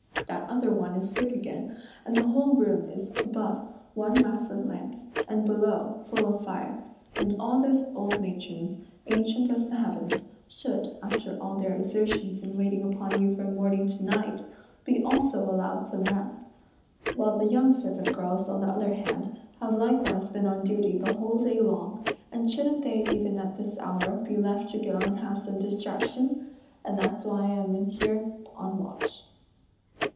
That other one is sick again, and the whole room is above, one mass of lamps, and below, full of fire; and all those old matrons, ancient as the heavens, should, after all their exertions in waiting upon you from morning to night, be also allowed some rest; while the young servant girls, on the other hand, have likewise been on duty the whole day long, and shouldn't they even at this hour be left to go and have some distraction? and that's why I am in here on watch."